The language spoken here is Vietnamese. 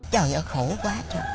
trời ơi khổ quá trời